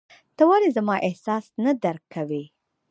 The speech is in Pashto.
ته ولي زما احساس نه درکوې !